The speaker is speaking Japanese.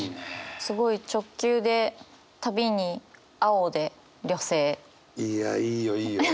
すごい直球で「旅」に「青」で「旅青」。いやいいよいいよ。